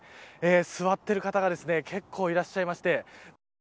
座っている方が結構いらっしゃいまして。